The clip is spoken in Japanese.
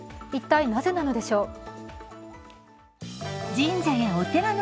一体、なぜなのでしょう。